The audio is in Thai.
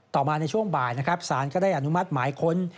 ต่อมาในช่วงบ่ายศาลก็ได้อนุมัติหมายค้น